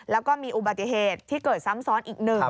แล้วก็มีอุบัติเหตุที่เกิดซ้ำซ้อนอีกหนึ่ง